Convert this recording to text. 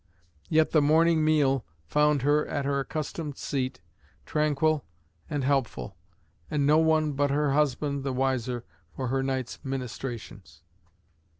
Yet the morning meal found her at her accustomed seat, tranquil and helpful, and no one but her husband the wiser for her night's ministrations.